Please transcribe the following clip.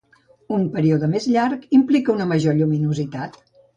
Un període més llarg implica una major lluminositat.